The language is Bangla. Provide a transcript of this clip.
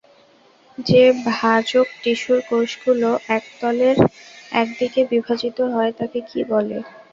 যে ভাজক টিস্যুর কোষগুলো একতলের একদিকে বিভাজিত হয় তাকে কী বলে?